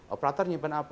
operator menyimpan apa